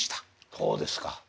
ほうですか。